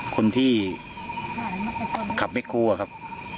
คนที่ขับไม่โครวอ่ะครับ